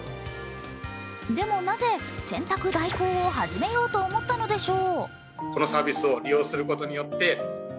でもなぜ洗濯代行を始めようと思ったのでしょう。